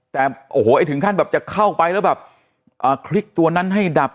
แต่ถึงขั้นแบบจะเข้าไปแล้วแบบอ๋อคลิกตัวนั้นให้ดับ